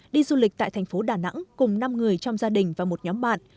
đi du lịch tại thành phố đà nẵng cùng năm người trong gia đình và một nhóm bạn